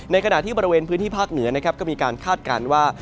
ขณะที่บริเวณพื้นที่ภาคเหนือนะครับก็มีการคาดการณ์ว่า